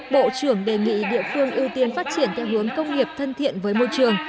bộ trưởng đề nghị địa phương ưu tiên phát triển theo hướng công nghiệp thân thiện với môi trường